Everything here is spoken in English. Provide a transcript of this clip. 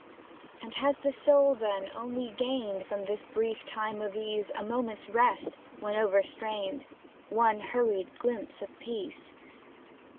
And has the soul, then, only gained, From this brief time of ease, A moment's rest, when overstrained, One hurried glimpse of peace?